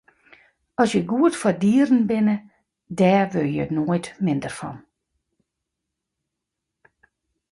As je goed foar dieren binne, dêr wurde je noait minder fan.